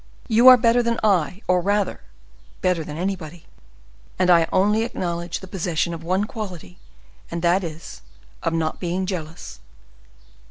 You are better than I, or rather, better than anybody, and I only acknowledge the possession of one quality, and that is, of not being jealous.